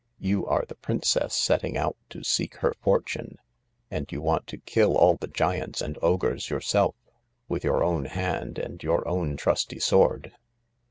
You are the princess setting out to seek her for tune, and you want to kill all the giants and ogres yourself — with your own hand and your own trusty sword.